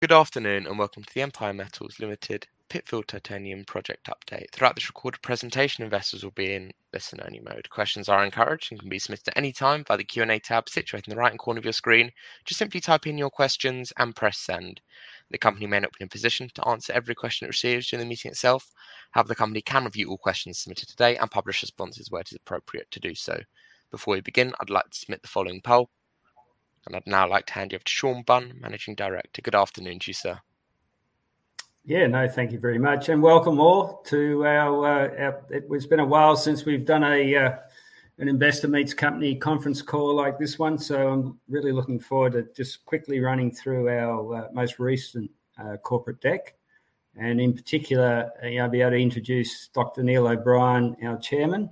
Good afternoon and welcome to the Empire Metals Limited Pitfield Titanium Project update. Throughout this recorded presentation, investors will be in listen only mode. Questions are encouraged and can be submitted at any time via the Q&A tab situated in the right-hand corner of your screen. Just simply type in your questions and press send. The company may not be in a position to answer every question it receives during the meeting itself. However, the company can review all questions submitted today and publish responses where it is appropriate to do so. Before we begin, I'd like to submit the following poll. I'd now like to hand you over to Shaun Bunn, Managing Director. Good afternoon to you, sir. Yeah. No, thank you very much and welcome all. It's been a while since we've done an Investor Meet Company conference call like this one. I'm really looking forward to just quickly running through our most recent corporate deck, and in particular, I'll be able to introduce Dr. Neil O'Brien, our Chairman.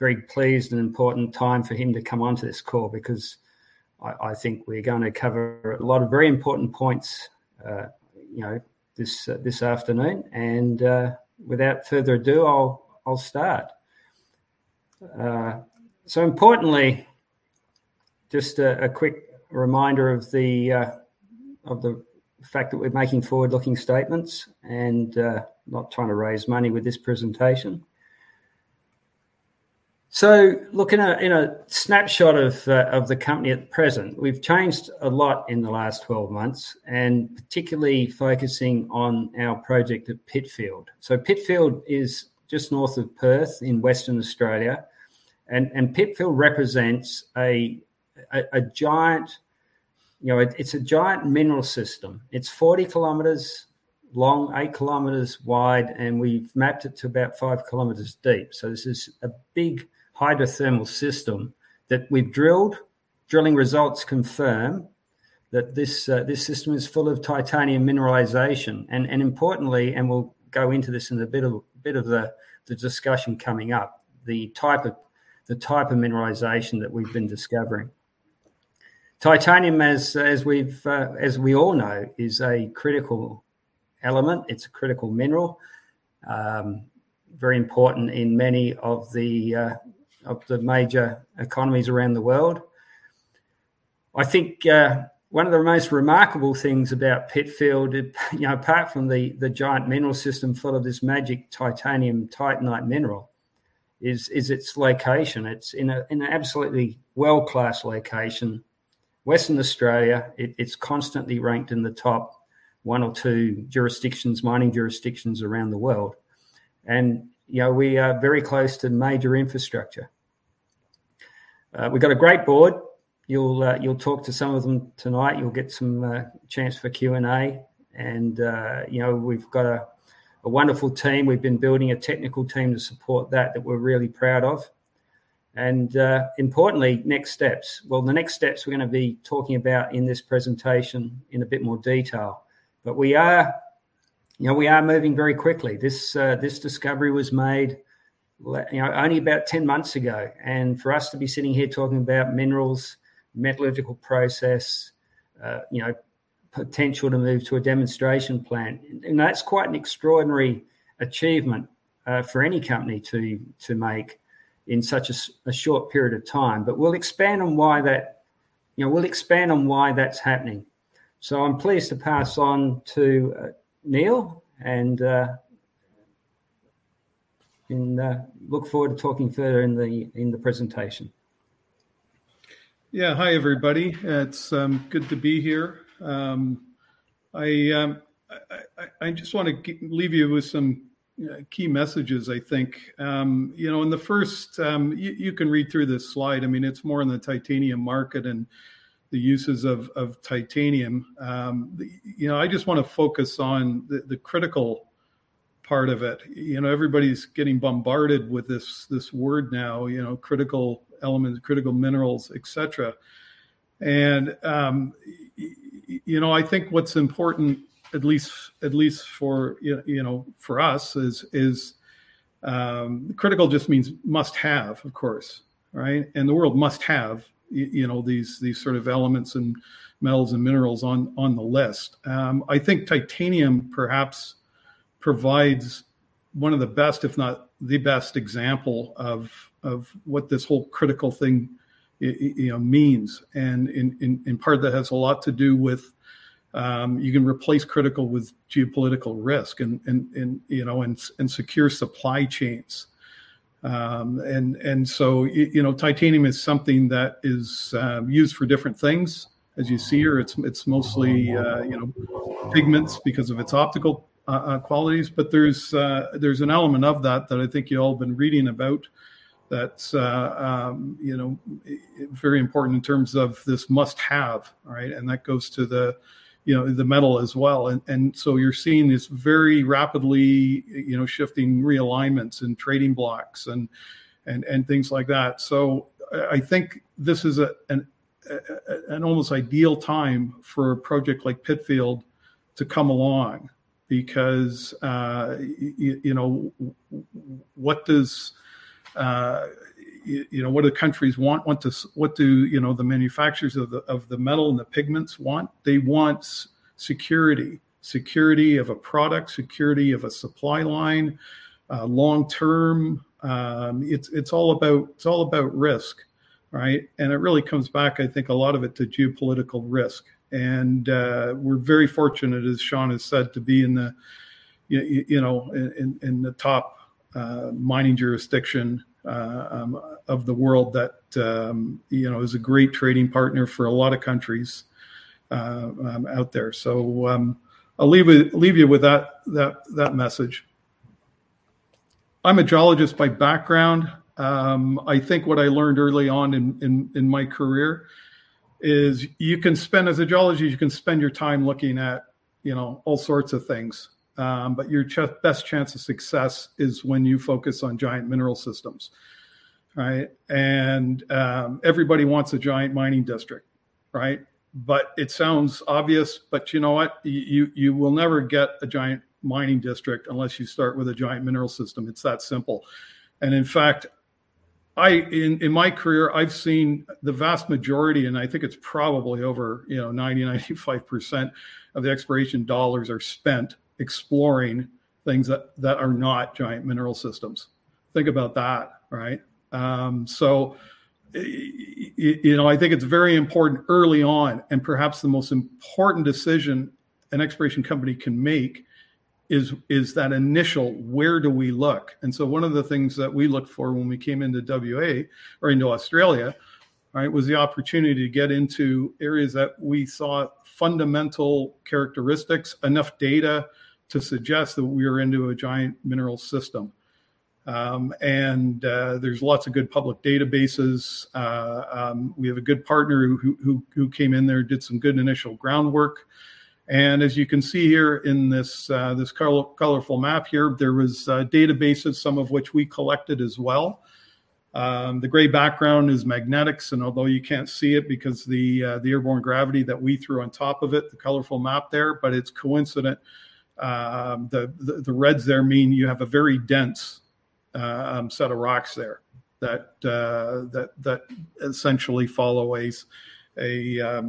Very pleased and important time for him to come onto this call because I think we're going to cover a lot of very important points this afternoon. Without further ado, I'll start. Importantly, just a quick reminder of the fact that we're making forward-looking statements and not trying to raise money with this presentation. Looking at a snapshot of the company at present. We've changed a lot in the last 12 months, and particularly focusing on our project at Pitfield. Pitfield is just north of Perth in Western Australia, and Pitfield represents a giant mineral system. It's 40 km long, 8 km wide, and we've mapped it to about 5 km deep. This is a big hydrothermal system that we've drilled. Drilling results confirm that this system is full of titanium mineralization. Importantly, and we'll go into this in a bit of the discussion coming up, the type of mineralization that we've been discovering. Titanium, as we all know, is a critical element. It's a critical mineral. Very important in many of the major economies around the world. I think one of the most remarkable things about Pitfield, apart from the giant mineral system full of this magic titanium titanite mineral is its location. It's in an absolutely world-class location. Western Australia, it's constantly ranked in the top one or two jurisdictions, mining jurisdictions around the world. We are very close to major infrastructure. We've got a great board. You'll talk to some of them tonight. You'll get some chance for Q&A. We've got a wonderful team. We've been building a technical team to support that we're really proud of. Importantly, next steps. Well, the next steps we're going to be talking about in this presentation in a bit more detail. We are moving very quickly. This discovery was made only about 10 months ago. For us to be sitting here talking about minerals, metallurgical process, potential to move to a demonstration plant, that's quite an extraordinary achievement for any company to make in such a short period of time. We'll expand on why that's happening. I'm pleased to pass on to Neil and look forward to talking further in the presentation. Yeah. Hi, everybody. It's good to be here. I just want to leave you with some key messages, I think. The first, you can read through this slide. It's more on the titanium market and the uses of titanium. I just want to focus on the critical part of it. Everybody's getting bombarded with this word now, critical elements, critical minerals, etc. I think what's important at least for us is critical just means must have, of course, right? The world must have these sort of elements and metals and minerals on the list. I think titanium perhaps provides one of the best, if not the best example of what this whole critical thing means. In part, that has a lot to do with, you can replace critical with geopolitical risk and secure supply chains. Titanium is something that is used for different things. As you see here, it's mostly pigments because of its optical qualities. There's an element of that that I think you've all been reading about that's very important in terms of this must-have, right? That goes to the metal as well. You're seeing this very rapidly shifting realignments and trading blocks and things like that. I think this is an almost ideal time for a project like Pitfield to come along because what do the countries want? What do the manufacturers of the metal and the pigments want? They want security. Security of a product, security of a supply line, long-term. It's all about risk, right? It really comes back, I think, a lot of it to geopolitical risk. We're very fortunate, as Shaun has said, to be in the top mining jurisdiction of the world that is a great trading partner for a lot of countries out there. I'll leave you with that message. I'm a geologist by background. I think what I learned early on in my career is, as a geologist, you can spend your time looking at all sorts of things, but your best chance of success is when you focus on giant mineral systems. Right? Everybody wants a giant mining district. Right? It sounds obvious, but you know what? You will never get a giant mining district unless you start with a giant mineral system. It's that simple. In fact, in my career, I've seen the vast majority, and I think it's probably over 90%, 95% of the exploration dollars are spent exploring things that are not giant mineral systems. Think about that. Right? I think it's very important early on, and perhaps the most important decision an exploration company can make is that initial where do we look? One of the things that we looked for when we came into W.A., or into Australia, was the opportunity to get into areas that we saw fundamental characteristics, enough data to suggest that we were into a giant mineral system. There's lots of good public databases. We have a good partner who came in there, did some good initial groundwork. As you can see here in this colorful map here, there was databases, some of which we collected as well. The gray background is magnetics, and although you can't see it because of the airborne gravity that we threw on top of it, the colorful map there, but it's coincident. The reds there mean you have a very dense set of rocks there that essentially follow an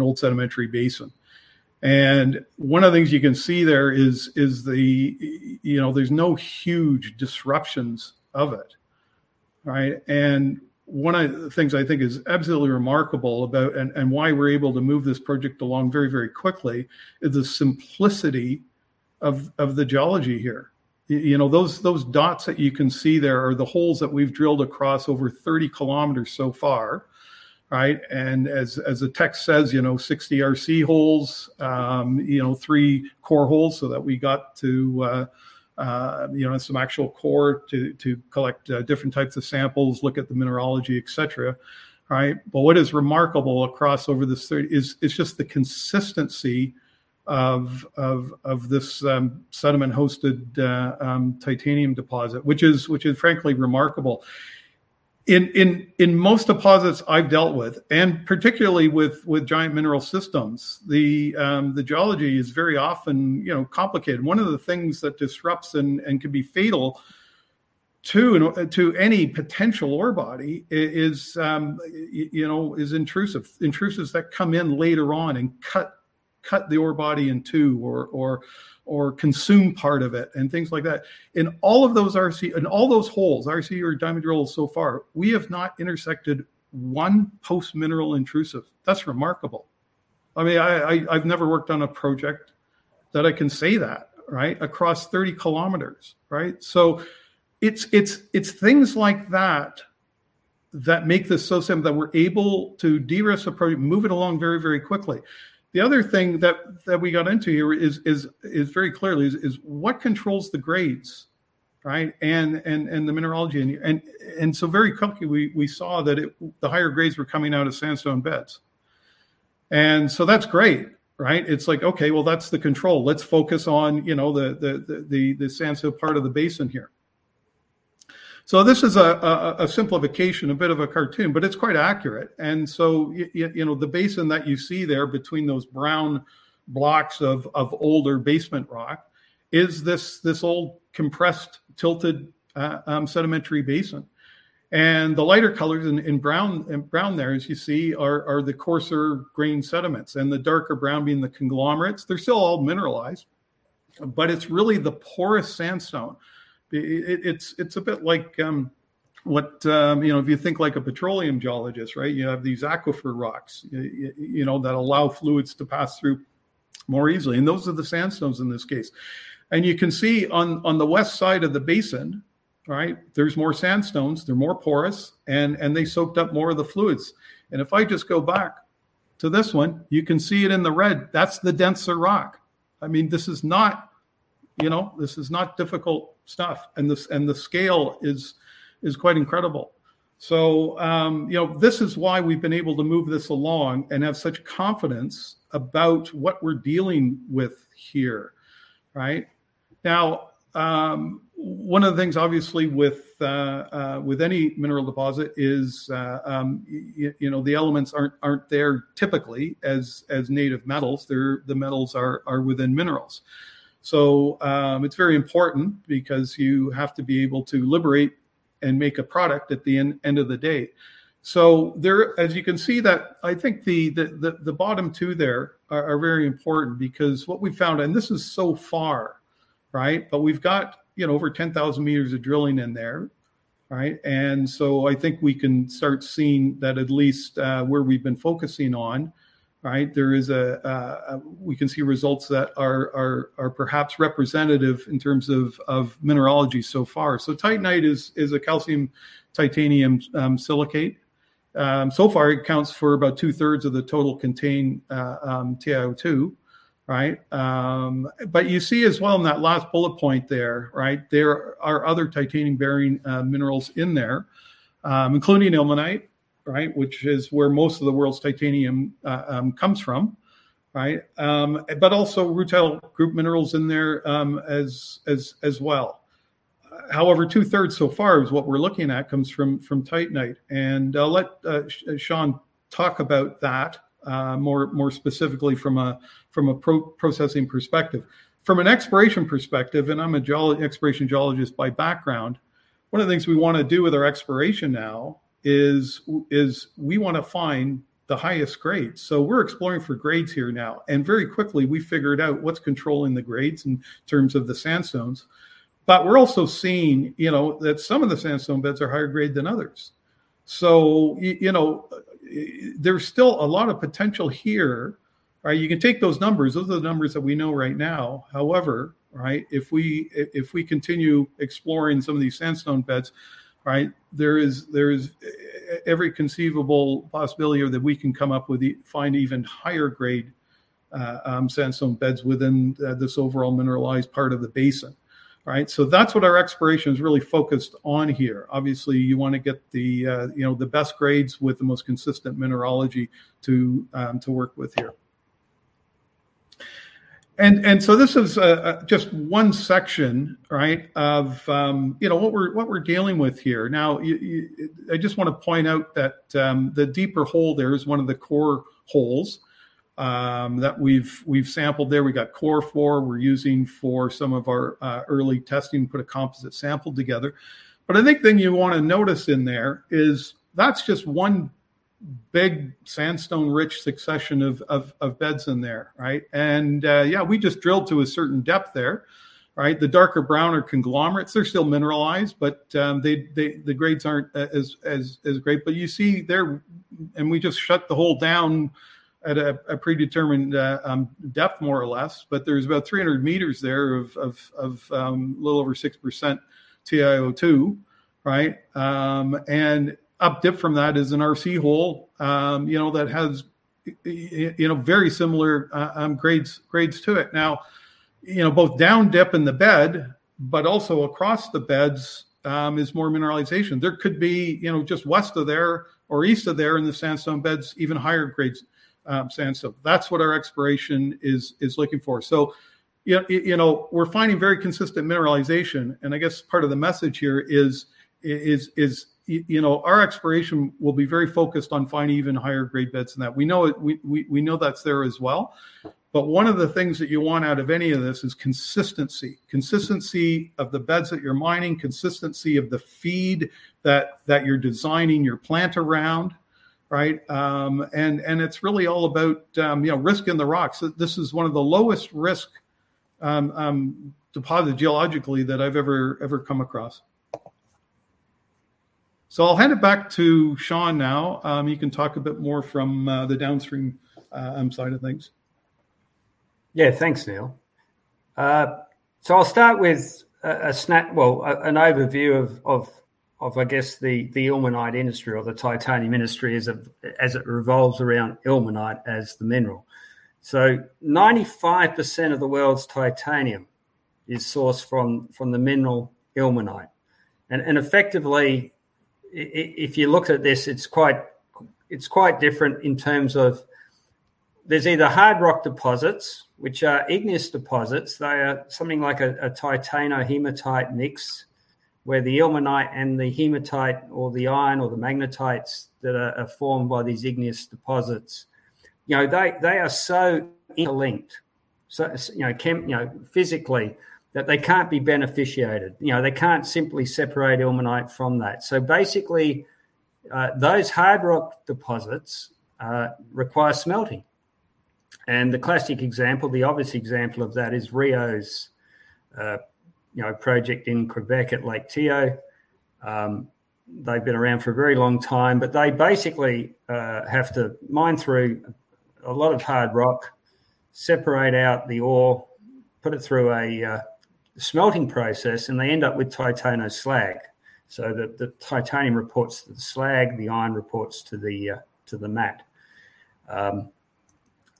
old sedimentary basin. One of the things you can see there is there's no huge disruptions of it. Right? One of the things I think is absolutely remarkable about, and why we're able to move this project along very, very quickly, is the simplicity of the geology here. Those dots that you can see there are the holes that we've drilled across over 30 km so far. Right? As the text says, 60 RC holes, three core holes so that we got some actual core to collect different types of samples, look at the mineralogy, etc. Right? What is remarkable across over this 30 km, is just the consistency of this sediment-hosted titanium deposit, which is frankly remarkable. In most deposits I've dealt with, and particularly with giant mineral systems, the geology is very often complicated. One of the things that disrupts and can be fatal to any potential ore body is intrusives that come in later on and cut the ore body in two or consume part of it and things like that. In all those holes, RC or diamond drills so far, we have not intersected one post-mineral intrusive. That's remarkable. I've never worked on a project that I can say that. Right? Across 30 km. Right? It's things like that that make this so simple, that we're able to de-risk a project, move it along very, very quickly. The other thing that we got into here very clearly is what controls the grades. Right? And the mineralogy. Very quickly we saw that the higher grades were coming out of sandstone beds. That's great, right? It's like, okay, well, that's the control. Let's focus on the sandstone part of the basin here. This is a simplification, a bit of a cartoon, but it's quite accurate. The basin that you see there between those brown blocks of older basement rock is this old compressed, tilted sedimentary basin. The lighter colors in brown there, as you see, are the coarser grain sediments, the darker brown being the conglomerates. They're still all mineralized, but it's really the porous sandstone. It's a bit like if you think like a petroleum geologist, right? You have these aquifer rocks that allow fluids to pass through more easily, and those are the sandstones in this case. You can see on the west side of the basin, there's more sandstones. They're more porous, and they soaked up more of the fluids. If I just go back to this one, you can see it in the red. That's the denser rock. This is not difficult stuff. The scale is quite incredible. This is why we've been able to move this along and have such confidence about what we're dealing with here. Right? Now, one of the things, obviously, with any mineral deposit is the elements aren't there typically as native metals. The metals are within minerals. It's very important because you have to be able to liberate and make a product at the end of the day. As you can see, I think the bottom two there are very important because what we've found, and this is so far, but we've got over 10,000 m of drilling in there. I think we can start seeing that at least where we've been focusing on, we can see results that are perhaps representative in terms of mineralogy so far. Titanite is a calcium titanium silicate. So far it accounts for about 2/3 of the total contained TiO2. You see as well in that last bullet point there are other titanium-bearing minerals in there, including Ilmenite, which is where most of the world's titanium comes from. Also Rutile group minerals in there as well. However, 2/3 so far is what we're looking at comes from titanite. I'll let Shaun talk about that more specifically from a processing perspective. From an exploration perspective, and I'm an exploration geologist by background, one of the things we want to do with our exploration now is we want to find the highest grades. We're exploring for grades here now, and very quickly we figured out what's controlling the grades in terms of the sandstones. We're also seeing that some of the sandstone beds are higher grade than others. There's still a lot of potential here. You can take those numbers. Those are the numbers that we know right now. However, if we continue exploring some of these sandstone beds, there is every conceivable possibility that we can come up with, find even higher grade sandstone beds within this overall mineralized part of the basin. That's what our exploration is really focused on here. Obviously, you want to get the best grades with the most consistent mineralogy to work with here. This is just one section of what we're dealing with here. Now, I just want to point out that the deeper hole there is one of the core holes that we've sampled there. We got core four we're using for some of our early testing, put a composite sample together. I think the thing you want to notice in there is that's just one big sandstone-rich succession of beds in there. Yeah, we just drilled to a certain depth there. The darker brown are conglomerates. They're still mineralized, but the grades aren't as great. You see there, and we just shut the hole down at a predetermined depth, more or less. There's about 300 m there of little over 6% TiO2. Up dip from that is an RC hole that has very similar grades to it. Now, both down dip in the bed, but also across the beds, is more mineralization. There could be just west of there or east of there in the sandstone beds, even higher grades of sandstone. That's what our exploration is looking for. We're finding very consistent mineralization, and I guess part of the message here is our exploration will be very focused on finding even higher grade beds than that. We know that's there as well. One of the things that you want out of any of this is consistency. Consistency of the beds that you're mining, consistency of the feed that you're designing your plant around. It's really all about risk in the rocks. This is one of the lowest risk deposits geologically that I've ever come across. I'll hand it back to Shaun now. He can talk a bit more from the downstream side of things. Yeah. Thanks, Neil. I'll start with an overview of the ilmenite industry or the titanium industry as it revolves around ilmenite as the mineral. 95% of the world's titanium is sourced from the mineral ilmenite. Effectively, if you looked at this, it's quite different in terms of there's either hard rock deposits, which are igneous deposits. They are something like a titanohematite mix, where the ilmenite and the hematite or the iron or the magnetites that are formed by these igneous deposits. They are so interlinked physically that they can't be beneficiated. They can't simply separate ilmenite from that. Basically, those hard rock deposits require smelting. The classic example, the obvious example of that is Rio's project in Québec at Lake Tio. They've been around for a very long time, but they basically have to mine through a lot of hard rock, separate out the ore, put it through a smelting process, and they end up with titania slag. The titanium reports to the slag, the iron reports to the matte.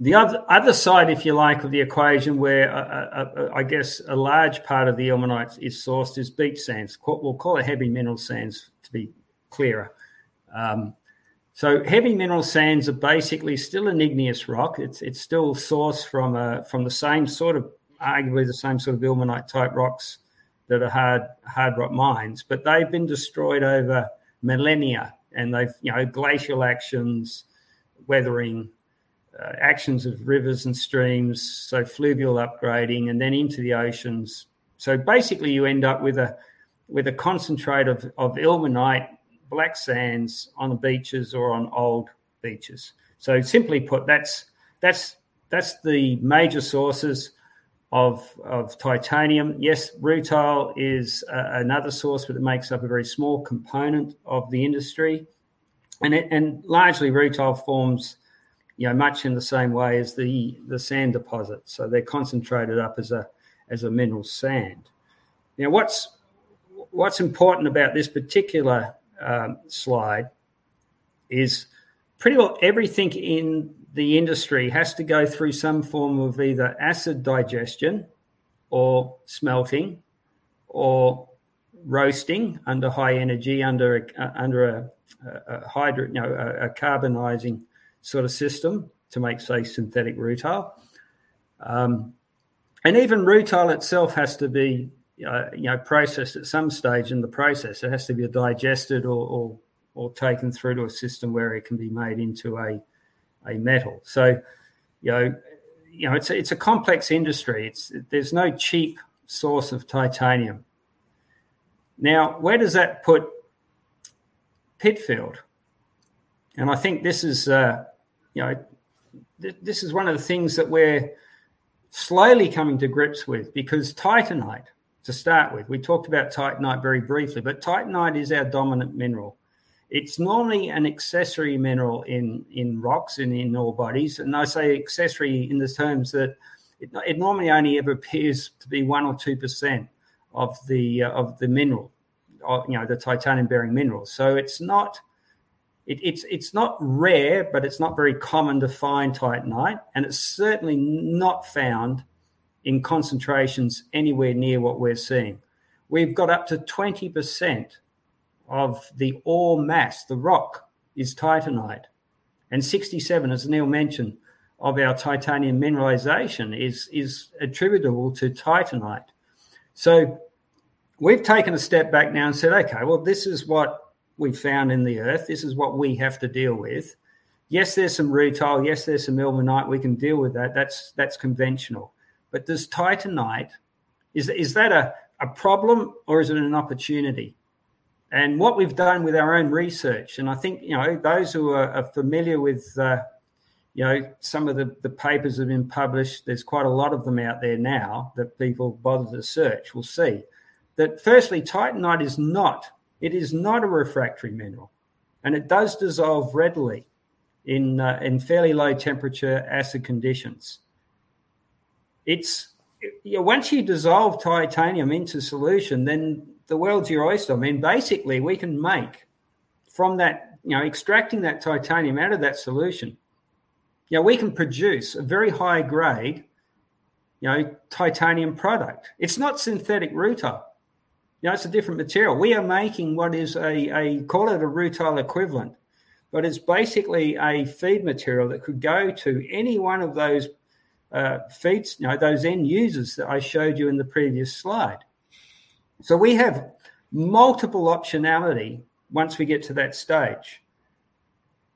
The other side, if you like, of the equation, where a large part of the Ilmenite is sourced is beach sands. We'll call it heavy mineral sands to be clearer. Heavy mineral sands are basically still an igneous rock. It's still sourced from arguably the same sort of ilmenite-type rocks that are hard rock mines. They've been destroyed over millennia and glacial actions, weathering actions of rivers and streams, so fluvial upgrading and then into the oceans. Basically, you end up with a concentrate of ilmenite black sands on the beaches or on old beaches. Simply put, that's the major sources of titanium. Yes, rutile is another source, but it makes up a very small component of the industry. Largely rutile forms much in the same way as the sand deposits. They're concentrated up as a mineral sand. Now, what's important about this particular slide is pretty well everything in the industry has to go through some form of either acid digestion or smelting or roasting under high energy, under a carbonizing sort of system to make, say, synthetic rutile. Even rutile itself has to be processed at some stage in the process. It has to be digested or taken through to a system where it can be made into a metal. It's a complex industry. There's no cheap source of titanium. Now, where does that put Pitfield? I think this is one of the things that we're slowly coming to grips with because titanite, to start with, we talked about titanite very briefly. Titanite is our dominant mineral. It's normally an accessory mineral in rocks and in ore bodies. I say accessory in the terms that it normally only ever appears to be 1% or 2% of the mineral, the titanium-bearing minerals. It's not rare, but it's not very common to find titanite, and it's certainly not found in concentrations anywhere near what we're seeing. We've got up to 20% of the ore mass. The rock is titanite. 67%, as Neil mentioned, of our titanium mineralization is attributable to titanite. We've taken a step back now and said, okay, well, this is what we've found in the Earth. This is what we have to deal with. Yes, there's some rutile. Yes, there’s some Ilmenite. We can deal with that. That’s conventional. This titanite, is that a problem or is it an opportunity? What we’ve done with our own research, and I think those who are familiar with some of the papers that have been published, there’s quite a lot of them out there now that people bother to search will see that firstly, titanite is not a refractory mineral, and it does dissolve readily in fairly low temperature acid conditions. Once you dissolve titanium into solution, then the world’s your oyster. I mean, basically we can make from extracting that titanium out of that solution, we can produce a very high-grade titanium product. It’s not Synthetic Rutile. It’s a different material. We are making what is, call it a Rutile equivalent. It's basically a feed material that could go to any one of those end users that I showed you in the previous slide. We have multiple optionality once we get to that stage.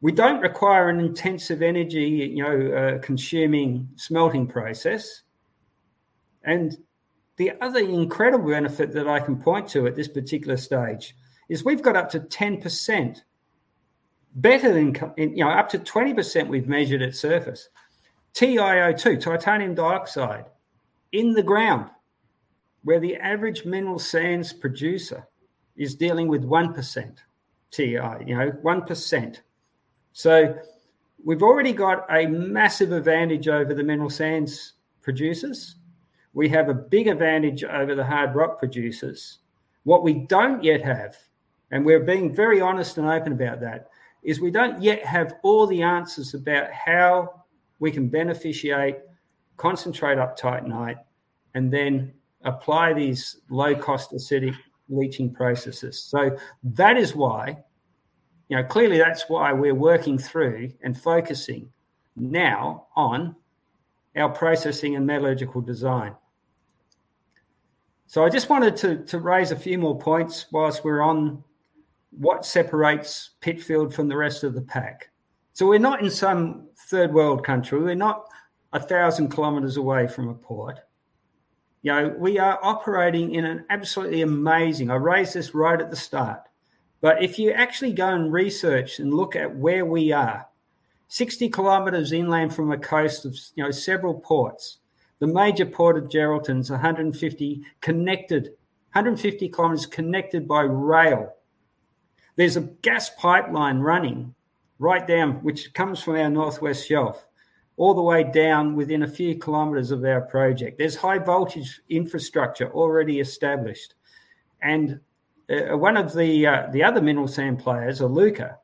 We don't require an intensive energy-consuming smelting process. The other incredible benefit that I can point to at this particular stage is we've got up to 10%, up to 20% we've measured at surface, TiO2, titanium dioxide in the ground. Where the average mineral sands producer is dealing with 1% Ti. 1%. We've already got a massive advantage over the mineral sands producers. We have a big advantage over the hard rock producers. What we don't yet have, and we're being very honest and open about that, is we don't yet have all the answers about how we can beneficiate, concentrate up titanite, and then apply these low-cost acidic leaching processes. Clearly that's why we're working through and focusing now on our processing and metallurgical design. I just wanted to raise a few more points while we're on what separates Pitfield from the rest of the pack. We're not in some third-world country. We're not 1,000 km away from a port. We are operating in an absolutely amazing location. I raised this right at the start. If you actually go and research and look at where we are, 60 km inland from a coast of several ports. The major port of Geraldton is 150 km away connected by rail. There's a gas pipeline running right down, which comes from our North-West Shelf, all the way down within a few kilometers of our project. There's high-voltage infrastructure already established. One of the other mineral sands players, Iluka,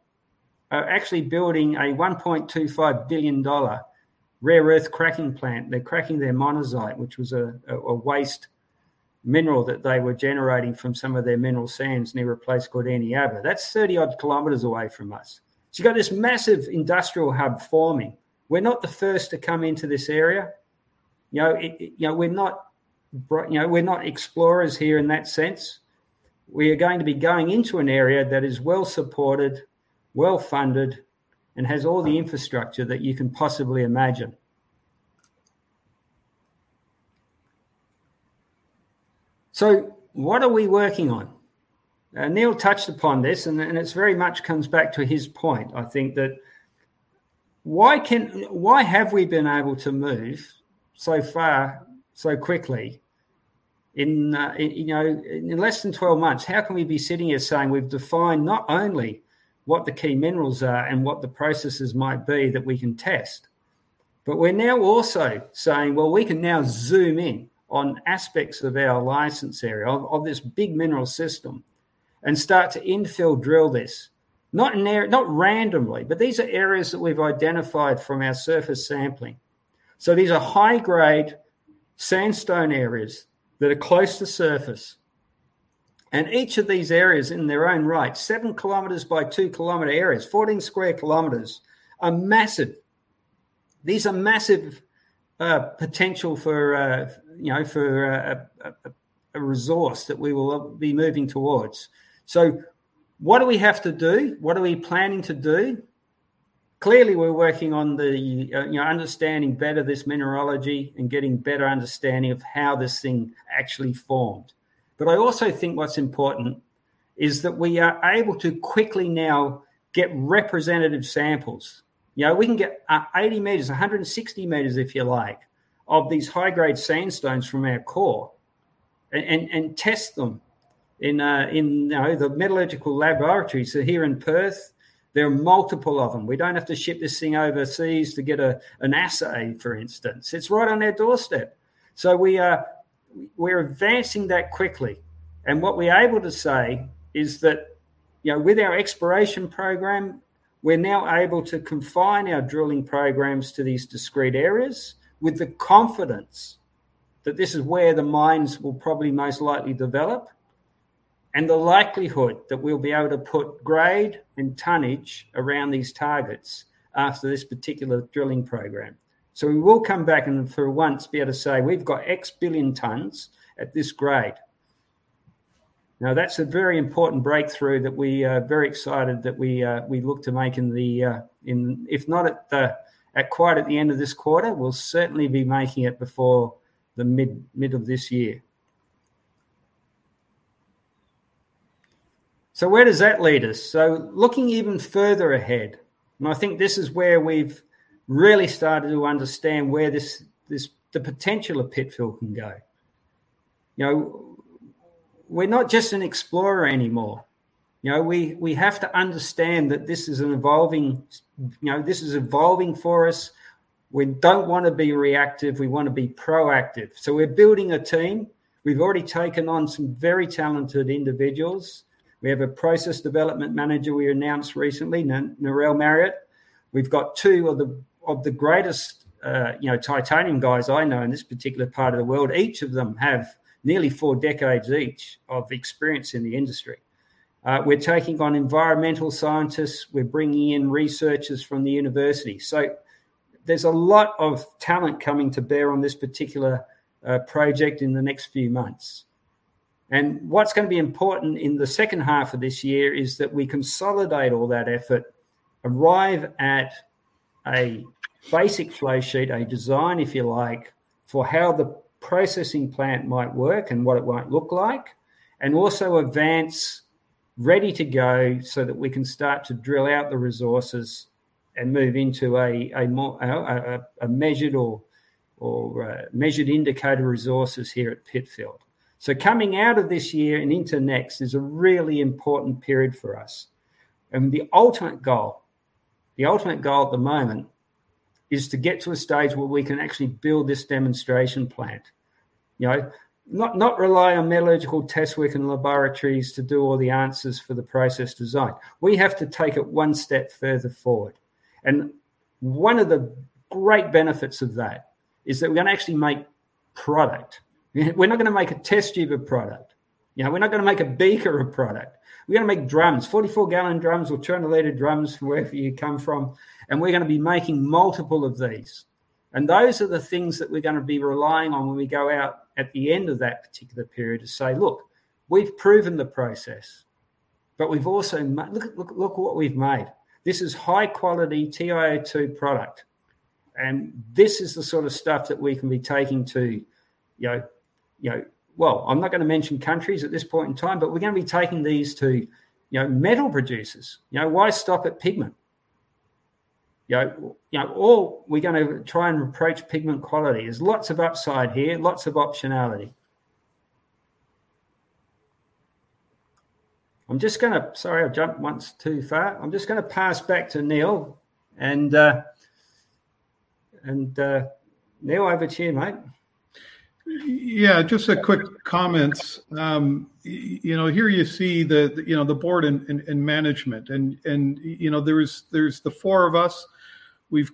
are actually building 1.25 billion dollar rare earth cracking plant. They're cracking their monazite, which was a waste mineral that they were generating from some of their mineral sands near a place called Eneabba. That's 30-odd km away from us. You got this massive industrial hub forming. We're not the first to come into this area. We're not explorers here in that sense. We are going to be going into an area that is well-supported, well-funded, and has all the infrastructure that you can possibly imagine. What are we working on? Now, Neil touched upon this, and it very much comes back to his point, I think, that why have we been able to move so far so quickly in less than 12 months? How can we be sitting here saying we've defined not only what the key minerals are and what the processes might be that we can test, but we're now also saying, well, we can now zoom in on aspects of our license area, of this big mineral system, and start to infill drill this. Not randomly, but these are areas that we've identified from our surface sampling. These are high-grade sandstone areas that are close to surface, and each of these areas in their own right, 7 km by 2-km areas, 14 sq km, are massive. These are massive potential for a resource that we will be moving towards. What do we have to do? What are we planning to do? Clearly, we're working on understanding better this mineralogy and getting better understanding of how this thing actually formed. I also think what's important is that we are able to quickly now get representative samples. We can get 80 m, 160 m, if you like, of these high-grade sandstones from our core and test them in the metallurgical laboratories. Here in Perth, there are multiple of them. We don't have to ship this thing overseas to get an assay, for instance. It's right on our doorstep. We're advancing that quickly. What we're able to say is that with our exploration program, we're now able to confine our drilling programs to these discrete areas with the confidence that this is where the mines will probably most likely develop and the likelihood that we'll be able to put grade and tonnage around these targets after this particular drilling program. We will come back and for once be able to say, we've got X billion tons at this grade. Now, that's a very important breakthrough that we are very excited that we look to make if not quite at the end of this quarter, we'll certainly be making it before the mid of this year. Where does that lead us? Looking even further ahead, and I think this is where we've really started to understand where the potential of Pitfield can go. We're not just an explorer anymore. We have to understand that this is evolving for us. We don't want to be reactive. We want to be proactive. We're building a team. We've already taken on some very talented individuals. We have a Process Development Manager we announced recently, Narelle Marriott. We've got two of the greatest titanium guys I know in this particular part of the world. Each of them have nearly four decades each of experience in the industry. We're taking on environmental scientists. We're bringing in researchers from the university. There's a lot of talent coming to bear on this particular project in the next few months. What's going to be important in the second half of this year is that we consolidate all that effort, arrive at a basic flow sheet, a design, if you like, for how the processing plant might work and what it might look like, and also advance ready to go so that we can start to drill out the resources and move into a measured and indicated resources here at Pitfield. Coming out of this year and into next is a really important period for us. The ultimate goal at the moment is to get to a stage where we can actually build this demonstration plant, not rely on metallurgical test work in laboratories to do all the answers for the process design. We have to take it one step further forward. One of the great benefits of that is that we're going to actually make product. We're not going to make a test tube of product. We're not going to make a beaker of product. We're going to make drums. 44-gal drums or 20-L drums, wherever you come from. We're going to be making multiple of these. Those are the things that we're going to be relying on when we go out at the end of that particular period to say, look, we've proven the process, but look what we've made. This is high-quality TiO2 product. This is the sort of stuff that we can be taking to. Well, I'm not going to mention countries at this point in time, but we're going to be taking these to metal producers. Why stop at pigment? Or we're going to try and approach pigment quality. There's lots of upside here, lots of optionality. I'm just going to. Sorry, I jumped once too far. I'm just going to pass back to Neil. And Neil, over to you, mate. Yeah, just quick comments. Here you see the board and management. There's the four of us. We've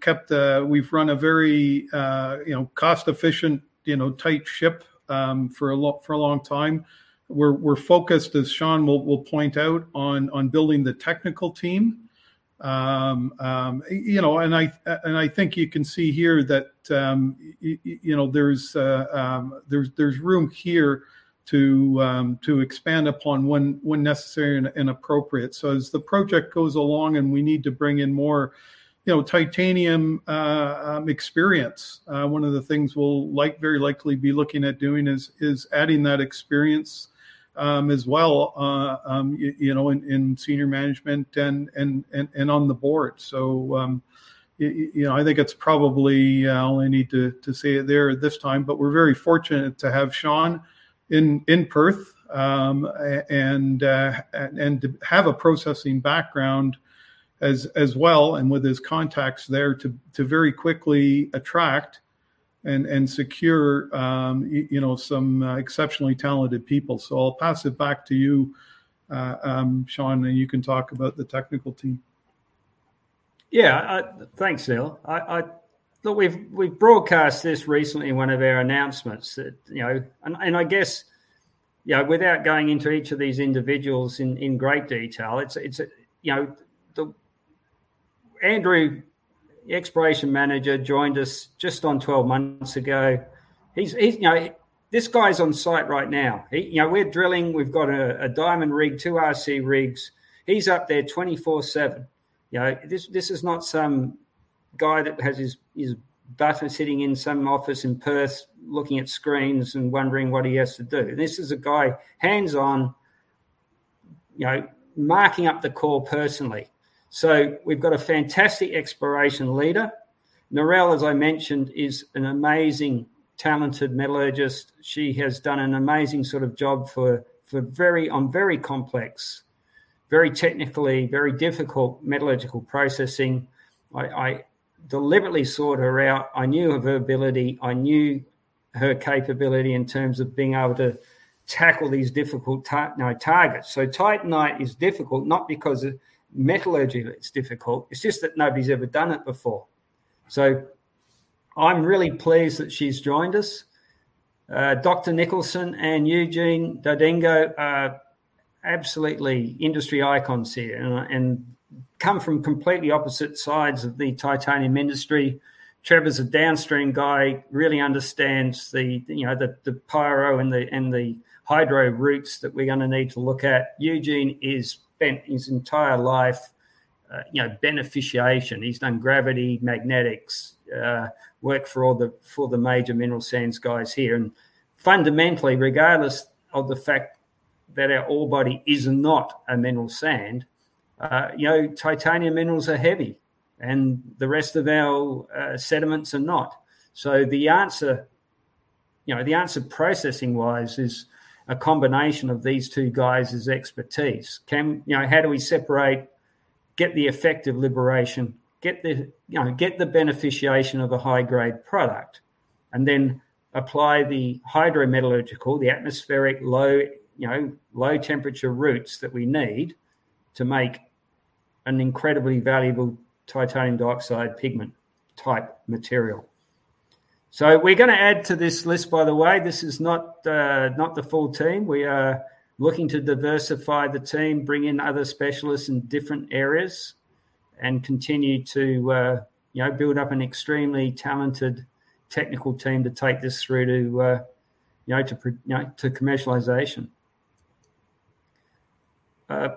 run a very cost-efficient, tight ship for a long time. We're focused, as Shaun will point out, on building the technical team. I think you can see here that there's room here to expand upon when necessary and appropriate. As the project goes along and we need to bring in more titanium experience, one of the things we'll very likely be looking at doing is adding that experience as well in senior management and on the board. I think it's probably all I need to say there this time, but we're very fortunate to have Shaun in Perth and to have a processing background as well, and with his contacts there to very quickly attract and secure some exceptionally talented people. I'll pass it back to you, Shaun, and you can talk about the technical team. Yeah. Thanks, Neil. Look, we've broadcast this recently in one of our announcements. I guess without going into each of these individuals in great detail, Andrew, the exploration manager, joined us just on 12 months ago. This guy's on site right now. We're drilling. We've got a diamond rig, two RC rigs. He's up there 24/7. This is not some guy that has his butt sitting in some office in Perth looking at screens and wondering what he has to do. This is a guy hands-on marking up the core personally. We've got a fantastic exploration leader. Narelle, as I mentioned, is an amazing, talented metallurgist. She has done an amazing job on very complex, very technically very difficult metallurgical processing. I deliberately sought her out. I knew of her ability. I knew her capability in terms of being able to tackle these difficult targets. Titanite is difficult, not because the metallurgy of it is difficult, it's just that nobody's ever done it before. I'm really pleased that she's joined us. Trevor Nicholson and Eugene Dardengo are absolutely industry icons here and come from completely opposite sides of the titanium industry. Trevor's a downstream guy, really understands the pyro and the hydro routes that we're going to need to look at. Eugene has spent his entire life beneficiation. He's done gravity, magnetics, worked for the major mineral sands guys here. Fundamentally, regardless of the fact that our ore body is not a mineral sand, titanium minerals are heavy and the rest of our sediments are not. The answer processing-wise is a combination of these two guys' expertise. How do we separate, get the effective liberation, get the beneficiation of a high-grade product, and then apply the hydrometallurgical, the atmospheric low-temperature routes that we need to make an incredibly valuable titanium dioxide pigment-type material? We're going to add to this list, by the way. This is not the full team. We are looking to diversify the team, bring in other specialists in different areas, and continue to build up an extremely talented technical team to take this through to commercialization. I'm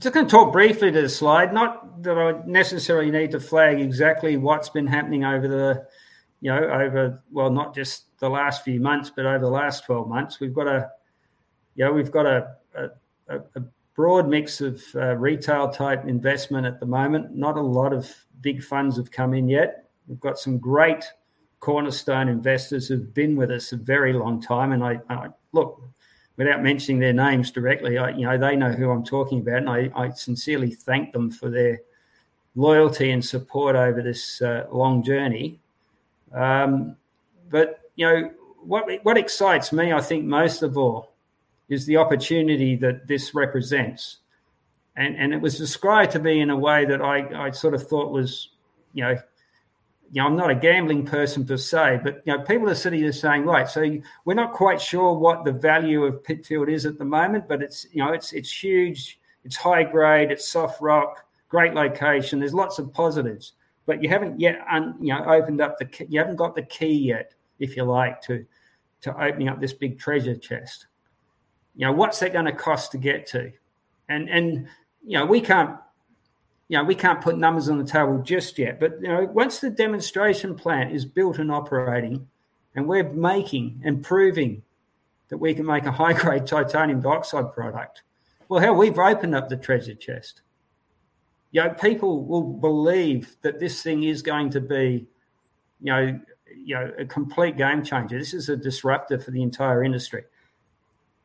just going to talk briefly to this slide. Not that I necessarily need to flag exactly what's been happening over, well, not just the last few months, but over the last 12 months. We've got a broad mix of retail-type investment at the moment. Not a lot of big funds have come in yet. We've got some great cornerstone investors who've been with us a very long time, and look, without mentioning their names directly, they know who I'm talking about, and I sincerely thank them for their loyalty and support over this long journey. What excites me, I think most of all, is the opportunity that this represents. It was described to me in a way that I sort of thought was. I'm not a gambling person per se, but people are sitting there saying, right, so we're not quite sure what the value of Pitfield is at the moment, but it's huge, it's high-grade, it's soft rock, great location. There's lots of positives. You haven't got the key yet, if you like, to opening up this big treasure chest. What's that going to cost to get to? We can't put numbers on the table just yet. Once the demonstration plant is built and operating and we're making and proving that we can make a high-grade titanium dioxide product, well, hell, we've opened up the treasure chest. People will believe that this thing is going to be a complete game-changer. This is a disrupter for the entire industry.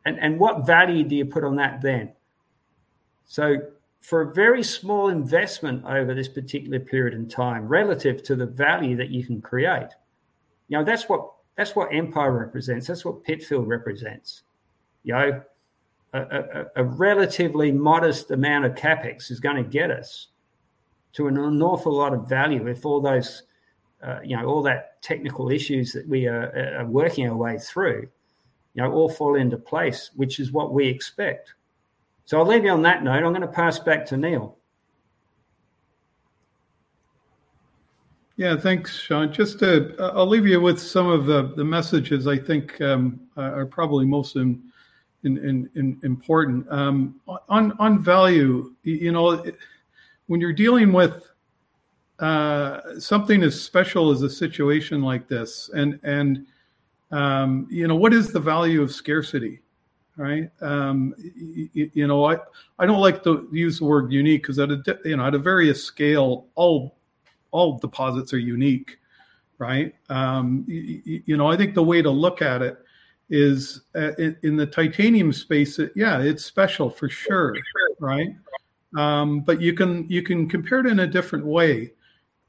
What value do you put on that then? For a very small investment over this particular period in time relative to the value that you can create, that's what Empire represents, that's what Pitfield represents. A relatively modest amount of CapEx is going to get us to an awful lot of value if all that technical issues that we are working our way through all fall into place, which is what we expect. I'll leave you on that note. I'm going to pass back to Neil. Yeah. Thanks, Shaun. Just to, I'll leave you with some of the messages I think are probably most important. On value, when you're dealing with something as special as a situation like this and what is the value of scarcity, right? I don't like to use the word unique because at various scale, all deposits are unique, right? I think the way to look at it is in the titanium space, yeah, it's special for sure, right? You can compare it in a different way.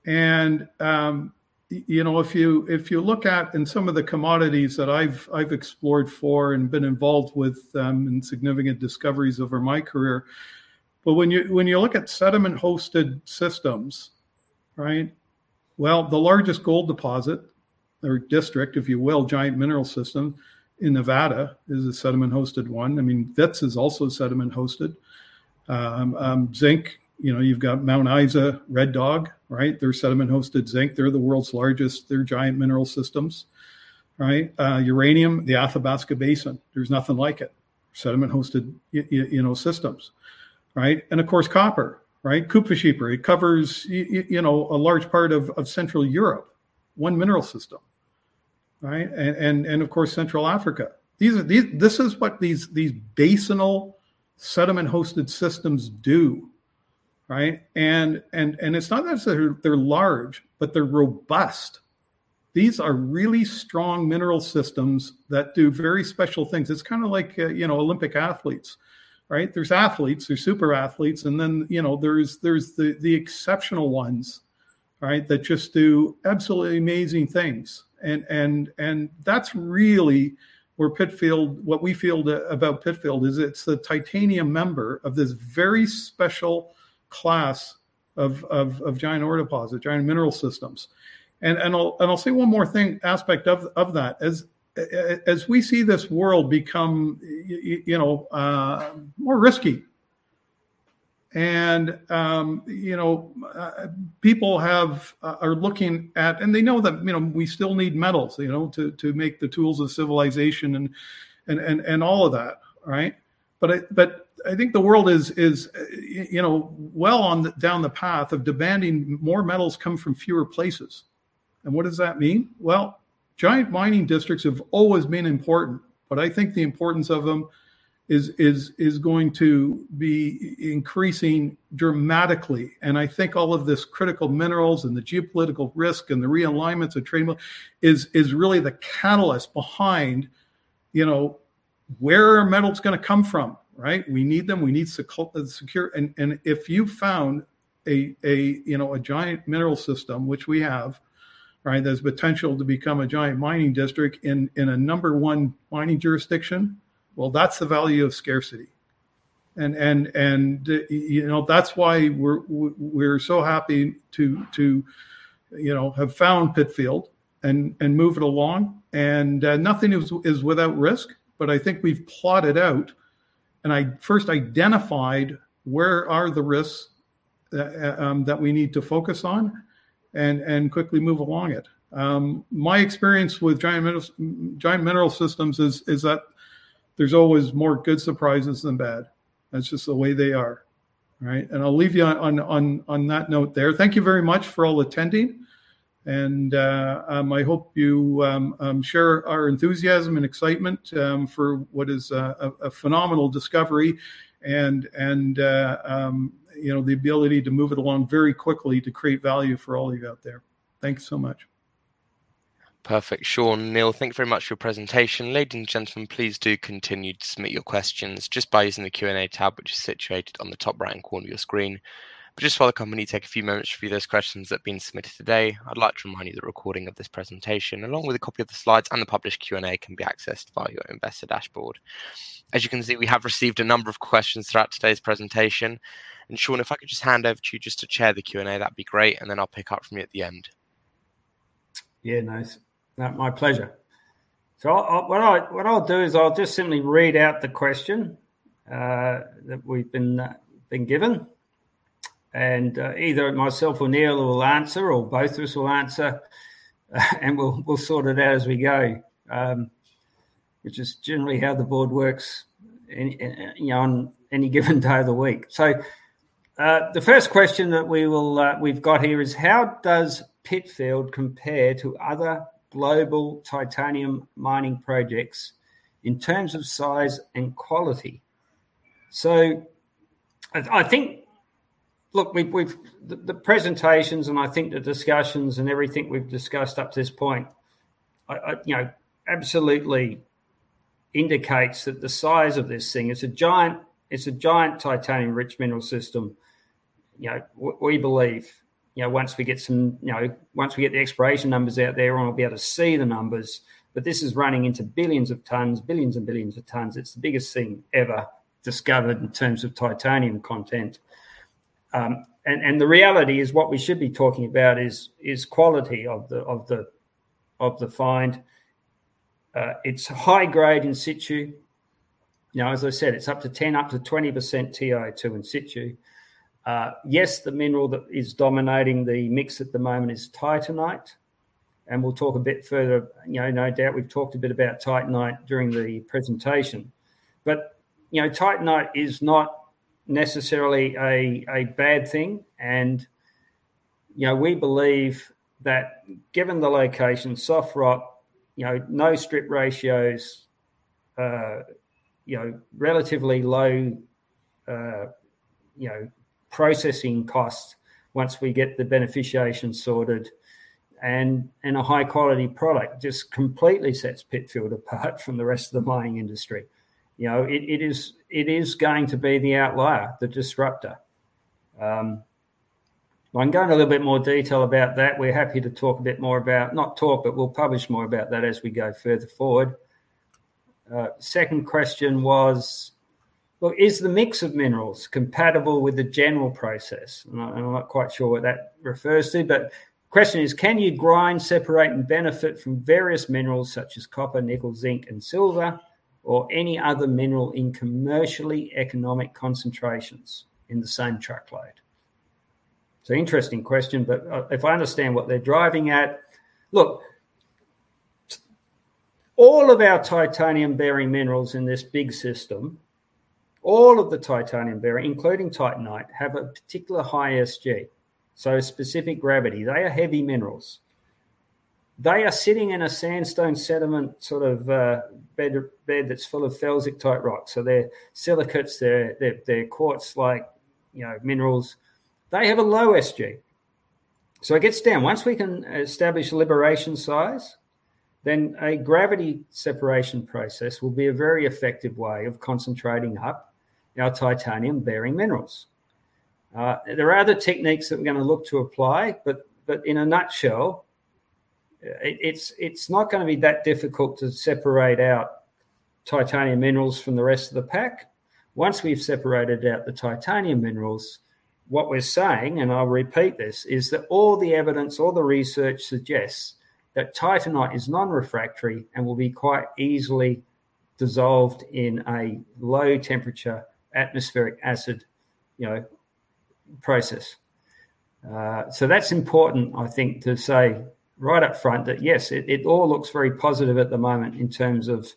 If you look at some of the commodities that I've explored for and been involved with in significant discoveries over my career, but when you look at sediment-hosted systems, right, well, the largest gold deposit or district, if you will, giant mineral system in Nevada is a sediment-hosted one. I mean, MVT is also sediment-hosted. Zinc. You've got Mount Isa, Red Dog, right? They're sediment-hosted zinc. They're the world's largest. They're giant mineral systems, right? Uranium, the Athabasca Basin. There's nothing like it. Sediment-hosted systems, right? Of course, copper, right? Kupferschiefer. It covers a large part of Central Europe. One mineral system, right? Of course, Central Africa. This is what these basinal sediment-hosted systems do, right? It's not necessarily they're large, but they're robust. These are really strong mineral systems that do very special things. It's kind of like Olympic athletes, right? There's athletes, there's super athletes, and then there's the exceptional ones, right, that just do absolutely amazing things. That's really what we feel about Pitfield is it's the titanium member of this very special class of giant ore deposit, giant mineral systems. I'll say one more aspect of that. As we see this world become more risky and people know that we still need metals to make the tools of civilization and all of that, right? I think the world is well down the path of demanding more metals come from fewer places. What does that mean? Giant mining districts have always been important, but I think the importance of them is going to be increasing dramatically. I think all of this critical minerals and the geopolitical risk and the realignments of trade is really the catalyst behind where metals are going to come from, right? We need them. We need secure. If you found a giant mineral system, which we have, right, that has potential to become a giant mining district in a number one mining jurisdiction, that's the value of scarcity. That's why we're so happy to have found Pitfield and move it along. Nothing is without risk, but I think we've plotted out. I first identified where are the risks that we need to focus on and quickly move along it. My experience with giant mineral systems is that there's always more good surprises than bad. That's just the way they are, right? I'll leave you on that note there. Thank you very much for all attending. I hope you share our enthusiasm and excitement for what is a phenomenal discovery and the ability to move it along very quickly to create value for all of you out there. Thank you so much. Perfect. Shaun, Neil, thank you very much for your presentation. Ladies and gentlemen, please do continue to submit your questions just by using the Q&A tab, which is situated on the top right-hand corner of your screen. Just while the company take a few moments to review those questions that have been submitted today, I'd like to remind you that a recording of this presentation, along with a copy of the slides and the published Q&A, can be accessed via your investor dashboard. As you can see, we have received a number of questions throughout today's presentation. Shaun, if I could just hand over to you just to chair the Q&A, that'd be great, and then I'll pick up from you at the end. Yeah, nice. My pleasure. What I'll do is I'll just simply read out the question that we've been given, and either myself or Neil will answer, or both of us will answer, and we'll sort it out as we go. Which is generally how the board works on any given day of the week. The first question that we've got here is how does Pitfield compare to other global titanium mining projects in terms of size and quality? I think, look, the presentations and I think the discussions and everything we've discussed up to this point absolutely indicates that the size of this thing, it's a giant titanium-rich mineral system. We believe, once we get the exploration numbers out there and we'll be able to see the numbers, but this is running into billions of tons. Billions and billions of tons. It's the biggest thing ever discovered in terms of titanium content. The reality is what we should be talking about is quality of the find. It's high grade in situ. As I said, it's up to 10%, up to 20% TiO2 in situ. Yes, the mineral that is dominating the mix at the moment is titanite. We'll talk a bit further, no doubt we've talked a bit about titanite during the presentation. Titanite is not necessarily a bad thing. We believe that given the location, soft rock, no strip ratios, relatively low processing costs once we get the beneficiation sorted and a high-quality product just completely sets Pitfield apart from the rest of the mining industry. It is going to be the outlier, the disruptor. I can go into a little bit more detail about that. We're happy to publish more about that as we go further forward. Second question was, is the mix of minerals compatible with the general process? I'm not quite sure what that refers to, but question is, can you grind, separate, and beneficiate various minerals such as copper, nickel, zinc, and silver, or any other mineral in commercially economic concentrations in the same truckload? It's an interesting question, but if I understand what they're driving at. Look, all of our titanium-bearing minerals in this big system, including titanite, have a particular high SG. So specific gravity. They are heavy minerals. They are sitting in a sandstone sediment sort of bed that's full of felsic light rock. They're silicates, they're quartz-like minerals. They have a low SG. It gets down. Once we can establish liberation size, then a gravity separation process will be a very effective way of concentrating up our titanium-bearing minerals. There are other techniques that we're going to look to apply, but in a nutshell, it's not going to be that difficult to separate out titanium minerals from the rest of the pack. Once we've separated out the titanium minerals, what we're saying, and I'll repeat this, is that all the evidence, all the research suggests that titanite is non-refractory and will be quite easily dissolved in a low-temperature atmospheric acid process. That's important, I think, to say right up front that, yes, it all looks very positive at the moment in terms of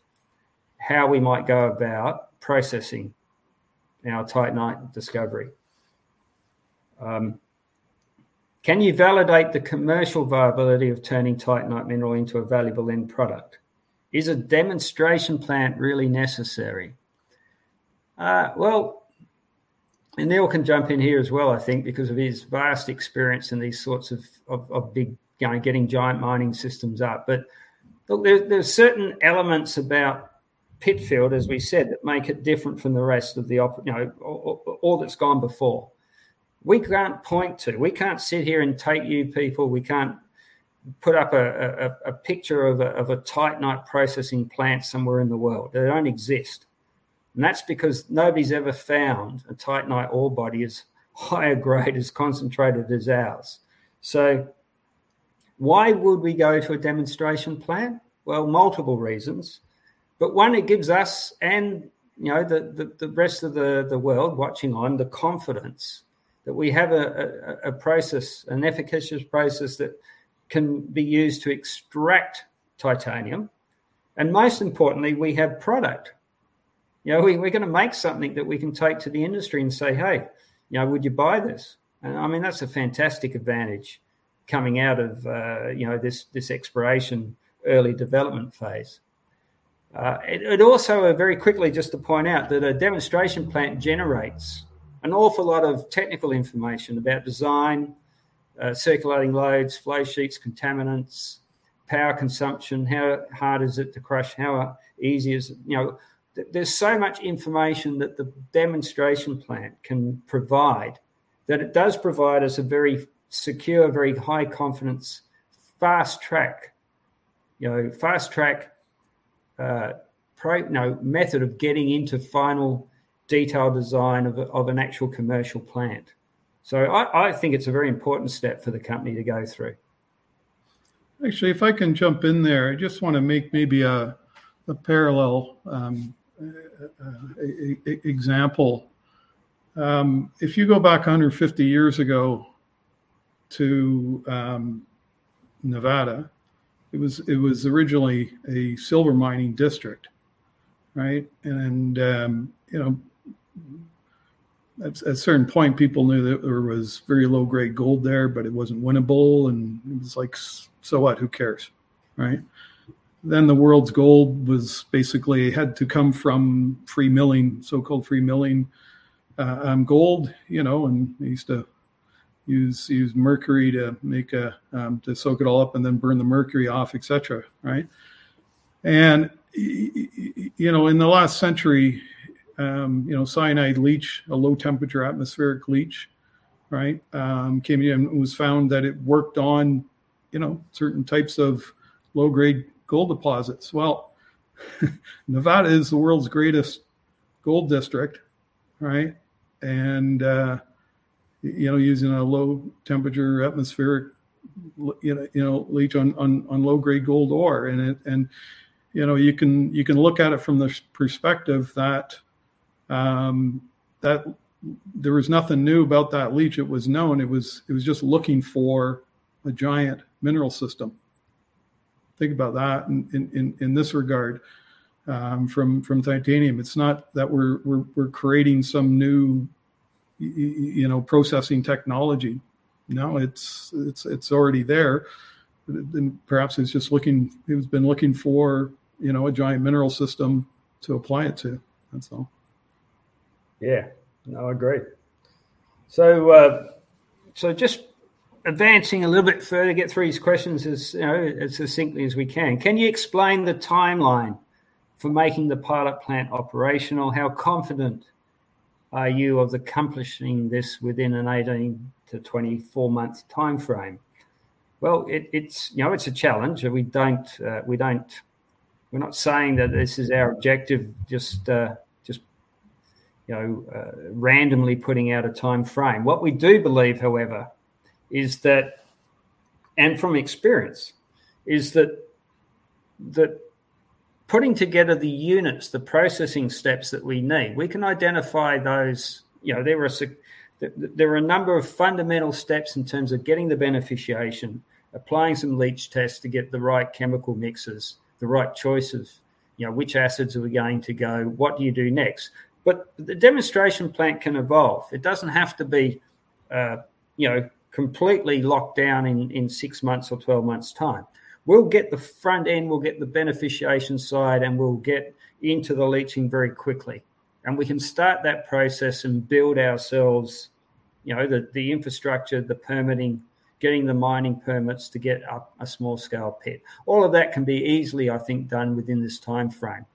how we might go about processing our titanite discovery. Can you validate the commercial viability of turning titanite mineral into a valuable end product? Is a demonstration plant really necessary? Well, and Neil can jump in here as well, I think, because of his vast experience in these sorts of getting giant mining systems up. There's certain elements about Pitfield, as we said, that make it different from all that's gone before. We can't sit here and take you people, we can't put up a picture of a titanite processing plant somewhere in the world. They don't exist. That's because nobody's ever found a titanite ore body as high grade, as concentrated as ours. Why would we go to a demonstration plant? Well, multiple reasons. One, it gives us and the rest of the world watching on, the confidence that we have a process, an efficacious process that can be used to extract titanium. Most importantly, we have product. We're going to make something that we can take to the industry and say, hey, would you buy this? That's a fantastic advantage coming out of this exploration early development phase. It also, very quickly just to point out, that a demonstration plant generates an awful lot of technical information about design, circulating loads, flow sheets, contaminants, power consumption, how hard is it to crush, how easy is it. There's so much information that the demonstration plant can provide. That it does provide us a very secure, very high-confidence fast track method of getting into final detailed design of an actual commercial plant. I think it's a very important step for the company to go through. Actually, if I can jump in there, I just want to make maybe a parallel example. If you go back 150 years ago to Nevada, it was originally a silver mining district, right? At a certain point, people knew that there was very low-grade gold there, but it wasn't winnable, and it was like, so what? Who cares? Right. Then the world's gold basically had to come from so-called free milling gold. They used to use mercury to soak it all up and then burn the mercury off, et cetera. Right? In the last century, cyanide leach, a low-temperature atmospheric leach, came in. It was found that it worked on certain types of low-grade gold deposits. Well, Nevada is the world's greatest gold district, using a low-temperature atmospheric leach on low-grade gold ore. You can look at it from the perspective that there was nothing new about that leach. It was known. It was just looking for a giant mineral system. Think about that in this regard from titanium. It's not that we're creating some new processing technology. No, it's already there. Perhaps it's just been looking for a giant mineral system to apply it to. That's all. Yeah. No, I agree. Just advancing a little bit further, get through these questions as succinctly as we can. Can you explain the timeline for making the pilot plant operational? How confident are you of accomplishing this within an 18-24-month time frame? Well, it's a challenge and we're not saying that this is our objective. Just randomly putting out a time frame. What we do believe, however, and from experience, is that putting together the units, the processing steps that we need. There are a number of fundamental steps in terms of getting the beneficiation, applying some leach tests to get the right chemical mixes, the right choices. Which acids are we going to go? What do you do next? The demonstration plant can evolve. It doesn't have to be completely locked down in six months or 12 months' time. We'll get the front end, we'll get the beneficiation side, and we'll get into the leaching very quickly. We can start that process and build ourselves the infrastructure, the permitting, getting the mining permits to get up a small-scale pit. All of that can be easily, I think, done within this time frame.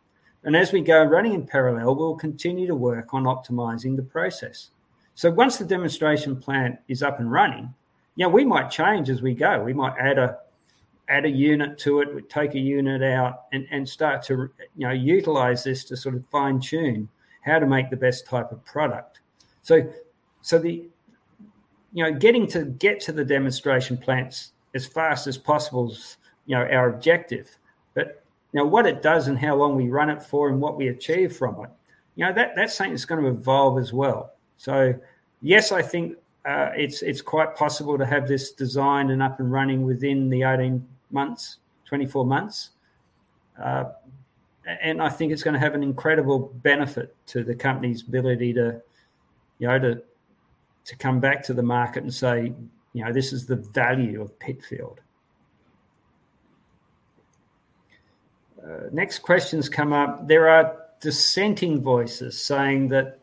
As we go running in parallel, we'll continue to work on optimizing the process. Once the demonstration plant is up and running, we might change as we go. We might add a unit to it. We take a unit out and start to utilize this to sort of fine-tune how to make the best type of product. Getting to the demonstration plants as fast as possible is our objective. What it does and how long we run it for and what we achieve from it, that thing is going to evolve as well. Yes, I think it's quite possible to have this designed and up and running within the 18 months, 24 months. I think it's going to have an incredible benefit to the company's ability to come back to the market and say, this is the value of Pitfield. Next questions come up. There are dissenting voices saying that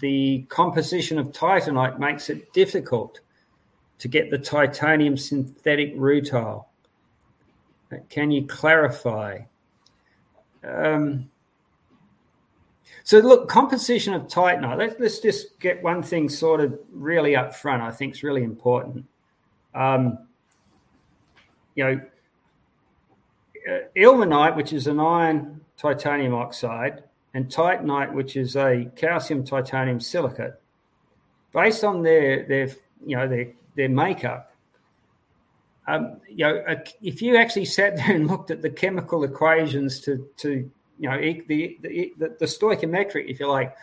the composition of titanite makes it difficult to get the titanium synthetic rutile. Can you clarify? Look, composition of titanite. Let's just get one thing sorted really up front. I think it's really important. Ilmenite, which is an iron titanium oxide, and titanite, which is a calcium titanium silicate. Based on their makeup, if you actually sat down and looked at the chemical equations to the stoichiometry, if you like,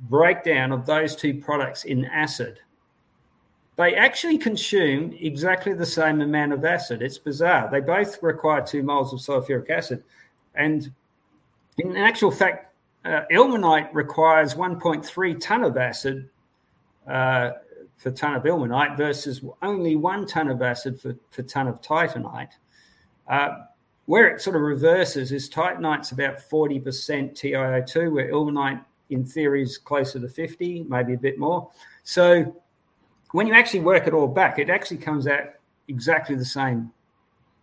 breakdown of those two products in acid. They actually consume exactly the same amount of acid. It's bizarre. They both require two moles of sulfuric acid. In actual fact, ilmenite requires 1.3 ton of acid for a ton of ilmenite versus only one ton of acid for a ton of titanite. Where it sort of reverses is titanite's about 40% TiO2, where ilmenite in theory is closer to 50%, maybe a bit more. When you actually work it all back, it actually comes out exactly the same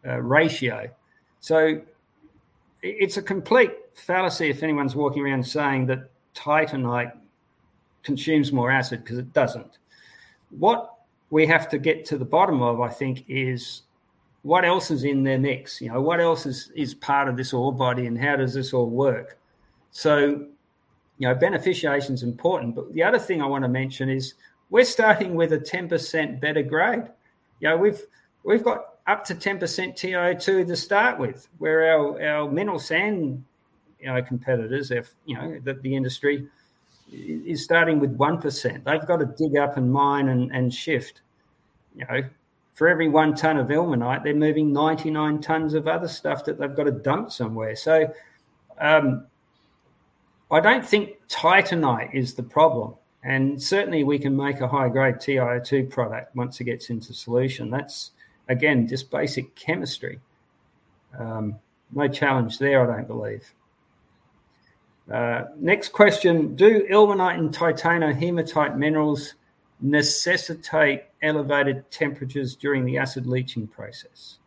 ratio. It's a complete fallacy if anyone's walking around saying that titanite consumes more acid, because it doesn't. What we have to get to the bottom of, I think, is what else is in there next? What else is part of this ore body, and how does this all work? Beneficiation is important, but the other thing I want to mention is we're starting with a 10% better grade. We've got up to 10% TiO2 to start with, where our mineral sand competitors, the industry is starting with 1%. They've got to dig up and mine and shift. For every 1 ton of ilmenite, they're moving 99 tons of other stuff that they've got to dump somewhere. I don't think titanite is the problem. Certainly we can make a high-grade TiO2 product once it gets into solution. That's, again, just basic chemistry. No challenge there, I don't believe. Next question: Do ilmenite and titanohematite minerals necessitate elevated temperatures during the acid leaching process?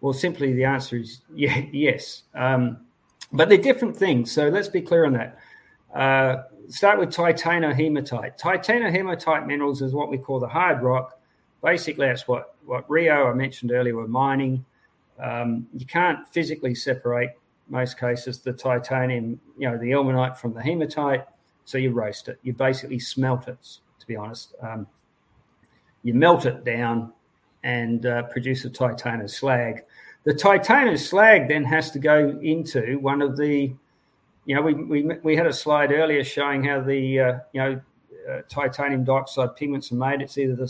Well, simply the answer is yes. They're different things, so let's be clear on that. Start with titanohematite. Titanohematite minerals is what we call the hard rock. Basically, that's what Rio, I mentioned earlier, were mining. You can't physically separate, in most cases, the ilmenite from the hematite, so you roast it. You basically smelt it, to be honest. You melt it down and produce a titania slag. The titania slag then has to go into one of the routes. We had a slide earlier showing how the titanium dioxide pigments are made. It's either the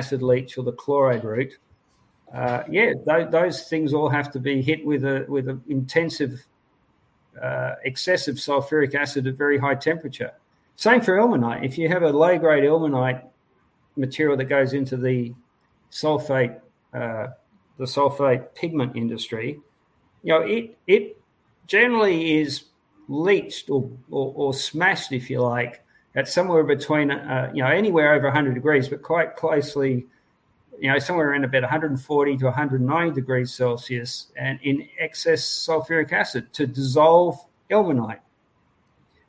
sulfate route or the chloride route. Yeah, those things all have to be hit with an intensive, excessive sulfuric acid at very high temperature. Same for ilmenite. If you have a low-grade ilmenite material that goes into the sulfate pigment industry, it generally is leached or smashed, if you like, at somewhere between anywhere over 100 degrees, but quite closely somewhere around about 140-190 degrees Celsius and in excess sulfuric acid to dissolve ilmenite.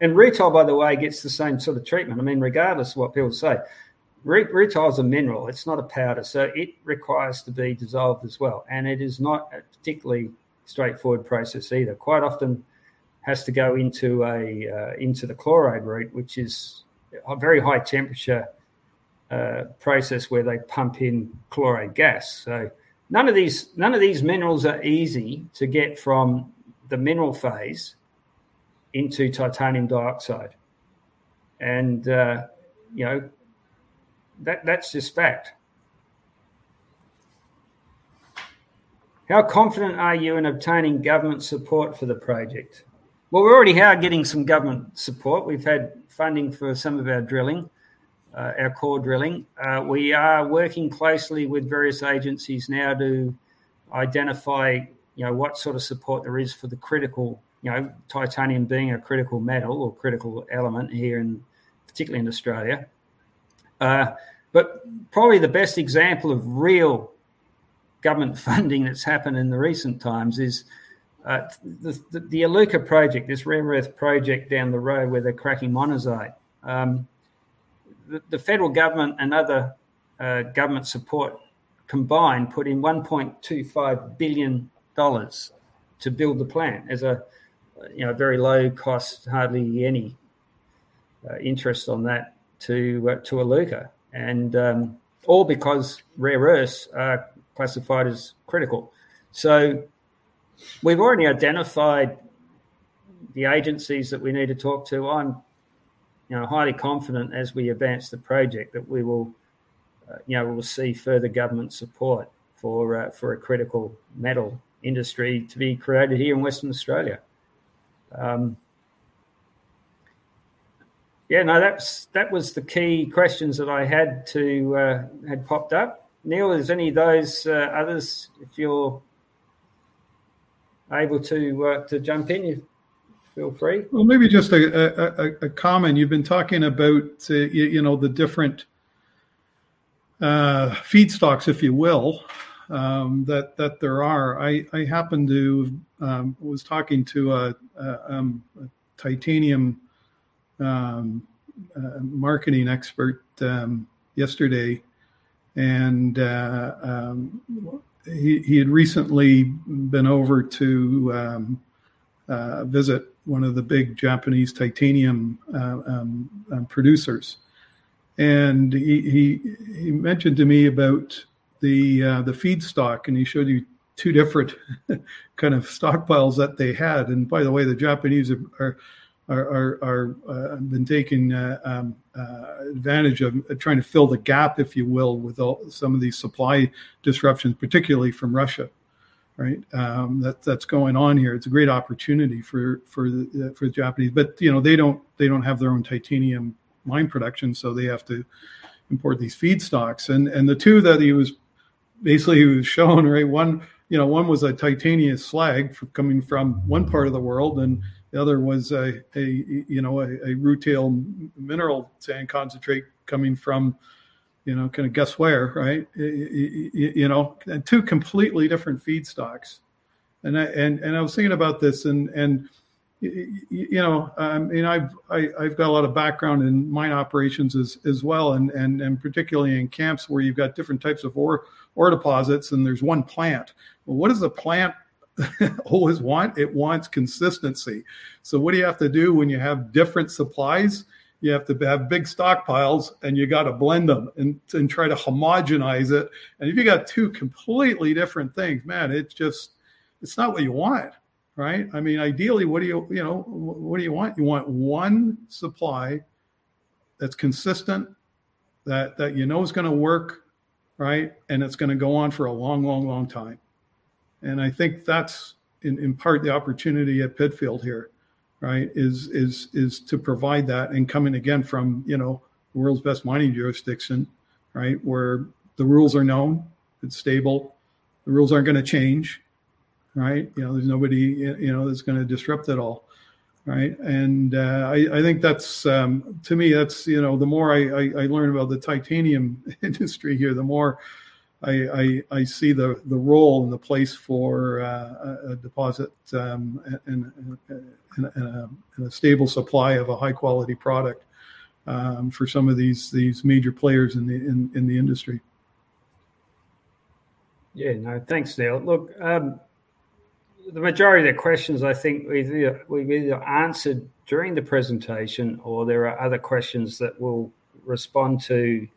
Rutile, by the way, gets the same sort of treatment. Regardless of what people say. Rutile is a mineral. It's not a powder, so it requires to be dissolved as well. It is not a particularly straightforward process either. Quite often has to go into the chloride route, which is a very high temperature process where they pump in chloride gas. None of these minerals are easy to get from the mineral phase into titanium dioxide. That's just fact. How confident are you in obtaining government support for the project? Well, we already are getting some government support. We've had funding for some of our core drilling. We are working closely with various agencies now to identify what sort of support there is for the critical, titanium being a critical metal or critical element here in, particularly in Australia. Probably the best example of real government funding that's happened in the recent times is the Iluka project, this rare earth project down the road where they're cracking monazite. The federal government and other government support combined put in 1.25 billion dollars to build the plant as a very low cost, hardly any interest on that to Iluka. All because rare earths are classified as critical. We've already identified the agencies that we need to talk to. I'm highly confident as we advance the project that we will see further government support for a critical metal industry to be created here in Western Australia. That was the key questions that I had popped up. Neil, is any of those others, if you're able to jump in, feel free. Well, maybe just a comment. You've been talking about the different feedstocks, if you will, that there are. I was talking to a titanium marketing expert yesterday and he had recently been over to visit one of the big Japanese titanium producers. He mentioned to me about the feedstock and he showed you two different kind of stockpiles that they had. By the way, the Japanese have been taking advantage of trying to fill the gap, if you will, with some of these supply disruptions, particularly from Russia, that's going on here. It's a great opportunity for the Japanese. They don't have their own titanium mine production, so they have to import these feedstocks. The two that he was basically shown, one was a titania slag coming from one part of the world, and the other was a rutile mineral sand concentrate coming from, kind of guess where, right? Two completely different feedstocks. I was thinking about this and I've got a lot of background in mine operations as well and particularly in camps where you've got different types of ore deposits and there's one plant. What does a plant always want? It wants consistency. What do you have to do when you have different supplies? You have to have big stockpiles and you got to blend them and try to homogenize it. If you got two completely different things, man, it's not what you want. Ideally, what do you want? You want one supply. That's consistent, that you know is going to work, and it's going to go on for a long time. I think that's in part the opportunity at Pitfield here is to provide that and coming again from the world's best mining jurisdiction where the rules are known, it's stable, the rules aren't going to change, right? There's nobody that's going to disrupt it all. I think to me, the more I learn about the titanium industry here, the more I see the role and the place for a deposit and a stable supply of a high-quality product for some of these major players in the industry. Yeah, no, thanks, Neil. Look, the majority of the questions I think we've either answered during the presentation or there are other questions that we'll respond to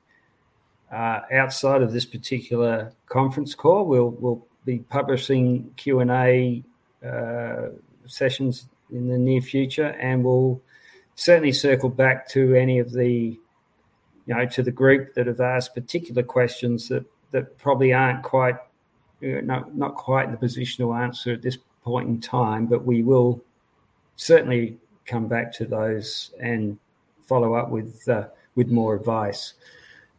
outside of this particular conference call. We'll be publishing Q&A sessions in the near future, and we'll certainly circle back to the group that have asked particular questions that probably we're not quite in the position to answer at this point in time. We will certainly come back to those and follow up with more advice.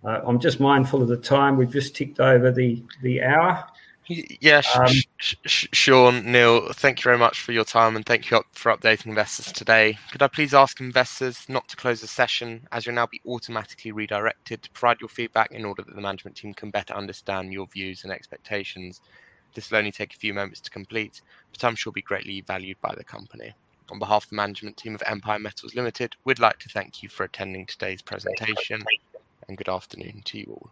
I'm just mindful of the time. We've just ticked over the hour. Yes, Shaun, Neil, thank you very much for your time, and thank you for updating investors today. Could I please ask investors not to close the session, as you'll now be automatically redirected to provide your feedback in order that the management team can better understand your views and expectations. This will only take a few moments to complete, but I'm sure will be greatly valued by the company. On behalf of the management team of Empire Metals Limited, we'd like to thank you for attending today's presentation. Good afternoon to you all.